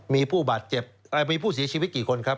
มีผู้บาดเจ็บมีผู้เสียชีวิตกี่คนครับ